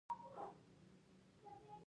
کچالو د وینې فشار نه لوړوي